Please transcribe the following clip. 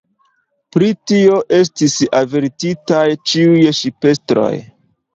Pri tio estis avertitaj ĉiuj ŝipestroj.